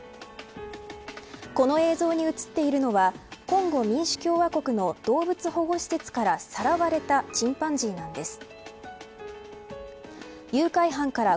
この映像に映っているのはコンゴ民主共和国の動物保護施設からさらわれたチンパンジーなんです。